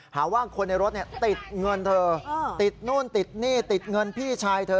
หาว่าคนในรถติดเงินเธอติดนู่นติดหนี้ติดเงินพี่ชายเธอ